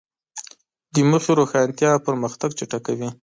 د موخې روښانتیا پرمختګ چټکوي.